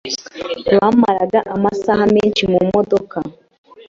Bamaraga amasaha menshi mumodoka.